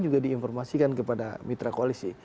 juga diinformasikan kepada mitra koalisi